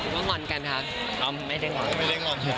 หรือว่าง่อนกันครับไม่ได้ง่อน